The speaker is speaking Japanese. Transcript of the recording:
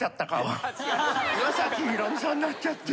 岩崎宏美さんになっちゃって。